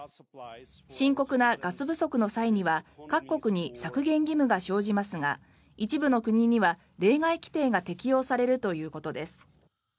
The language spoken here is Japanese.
深刻なガス不足の際には各国に削減義務が生じますが一部の国には例外規定が適用されるということです。